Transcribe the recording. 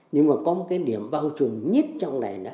nhưng mà có một cái điểm bao trùm nhất trong này nó